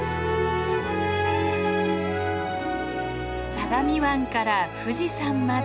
相模湾から富士山まで。